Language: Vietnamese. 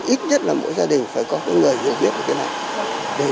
ít nhất là mỗi gia đình phải có người hiểu biết về cái này